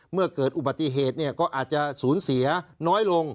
เมื่อเกิดอุบัติเหตุก็อาจจะสูญเสียน้อยลง